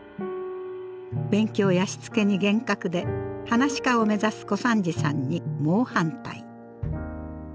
勉強やしつけに厳格で噺家を目指す小三治さんに猛反対。